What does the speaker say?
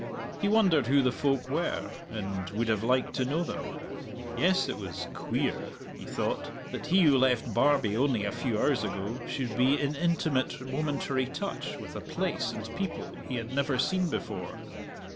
He wondered who the folk were, and would have liked to know them. Yes, it was "queer," he thought, that he who left Barbie only a few hours ago should be in intimate momentary touch with a place and people he had never seen before.